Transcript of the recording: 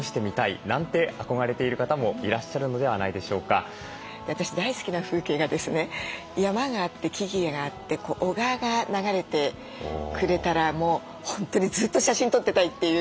山があって木々があって小川が流れてくれたらもう本当にずっと写真撮ってたいっていう。